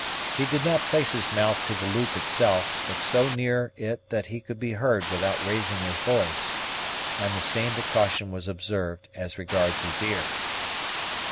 He did not place his mouth to the loop itself, but so near it that he could be heard without raising his voice, and the same precaution was observed as regards his ear.